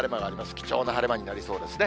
貴重な晴れ間になりそうですね。